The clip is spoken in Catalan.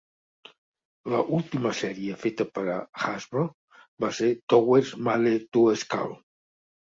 La última sèrie feta per a Hasbro va ser "Towers Made to Scale".